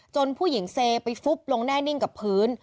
ผู้หญิงเซไปฟุบลงแน่นิ่งกับพื้น